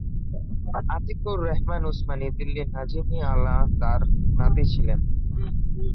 আতিক-উর-রেহমান উসমানী, দিল্লির নাজিম- ই- আলা তাঁর নাতি ছিলেন।